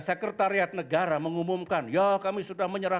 berusaha memberselitih acara